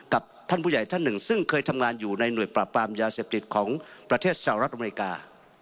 ท่านผู้ใหญ่ท่านหนึ่งซึ่งเคยทำงานอยู่ในหน่วยปราบปรามยาเสพติดของประเทศสหรัฐอเมริกา